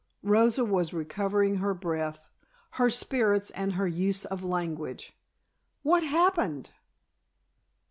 Rosa was recovering her breath, her spirits and her use of language. "What happened?"